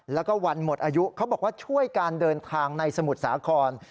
แล้วก็วันหมดอายุเขาบอกว่าช่วยการเดินทางในสมุทรสาคร